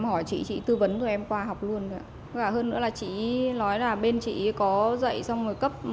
tôi cũng không tìm hiểu sâu là bên chị có dạy xong rồi cấp